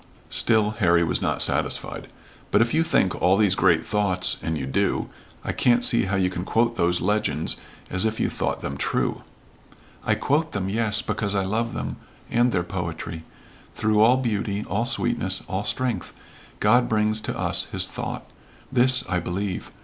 Still Harry was not satisfied. "But if you think all these great thoughts and you do I can't see how you can quote those legends as if you thought them true." "I quote them, yes, because I love them, and their poetry. Through all beauty all sweetness all strength God brings to us his thought. This I believe.